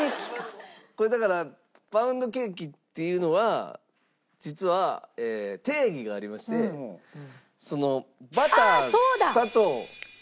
これだからパウンドケーキっていうのは実は定義がありましてバター砂糖卵。